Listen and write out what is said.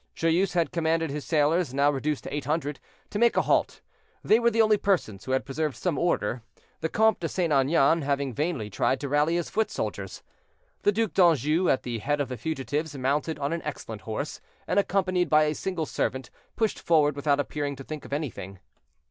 Joyeuse had commanded his sailors, now reduced to eight hundred, to make a halt; they were the only persons who had preserved some order, the Comte de St. Aignan having vainly tried to rally his foot soldiers. The Duc d'Anjou, at the head of the fugitives, mounted on an excellent horse, and accompanied by a single servant, pushed forward without appearing to think of anything.